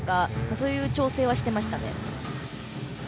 そういう調整はしていましたね。